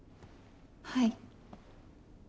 はい。